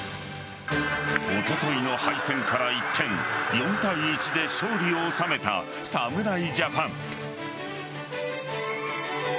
おとといの敗戦から一転４対１で勝利を収めた侍ジャパン。